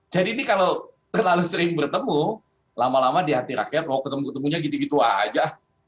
jadi ini kalau terlalu sering bertemu lama lama di hati rakyat ketemu ketemunya gitu gitu aja